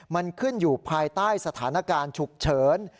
มันขึ้นอยู่ภายใต้สถานการณ์ฉุกเฉิน